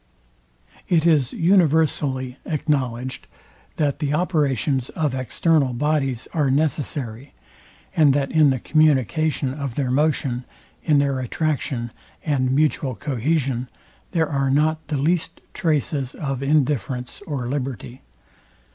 It is universally acknowledged, that the operations of external bodies are necessary, and that in the communication of their motion, in their attraction, and mutual cohesion, there are nor the least traces of indifference or liberty.